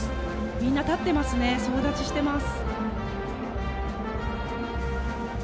みんな立ってますね総立ちしています。